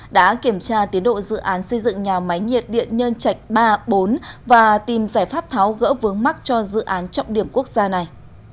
đã kiểm tra tiến độ dự án xây dựng nhà máy nhiệt điện nhân trạch ba bốn và tìm giải pháp tháo gỡ vướng mắt cho dự án trọng điểm quốc gia này